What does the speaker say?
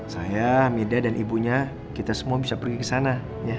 saya mida dan ibunya kita semua bisa pergi ke sana